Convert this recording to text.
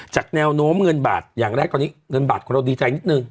แนวโน้มเงินบาทอย่างแรกตอนนี้เงินบาทของเราดีใจนิดนึง